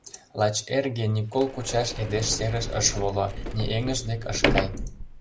Лач эрге ни кол кучаш Эдеш серыш ыш воло, ни эҥыж дек ыш кай.